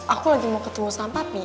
aku lagi mau ketemu sama pi